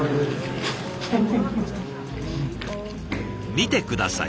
見て下さい。